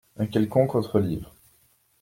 Un quelconque autre livre.